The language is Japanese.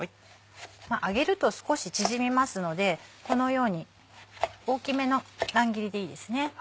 まぁ揚げると少し縮みますのでこのように大きめの乱切りでいいですね。